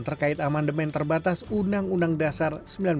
terkait amandemen terbatas undang undang dasar seribu sembilan ratus empat puluh lima